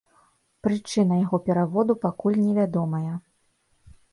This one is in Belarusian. Прычына яго пераводу пакуль невядомая.